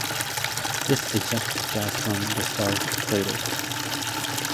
This ejects gas from the star's equator.